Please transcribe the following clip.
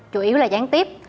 chủ yếu là gián tiếp